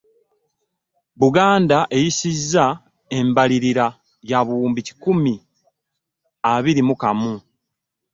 Buganda eyisizza embalirira ya buwumbi kikumi abiri mu kamu.